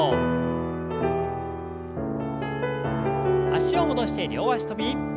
脚を戻して両脚跳び。